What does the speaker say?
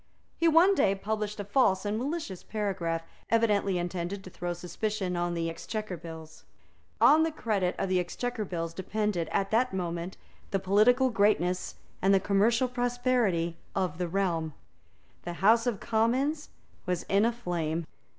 He one day published a false and malicious paragraph, evidently intended to throw suspicion on the Exchequer Bills. On the credit of the Exchequer Bills depended, at that moment, the political greatness and the commercial prosperity of the realm. The House of Commons was in a flame.